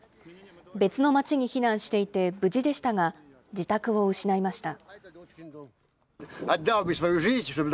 別の町に避難していて無事でしたが、自宅を失いました。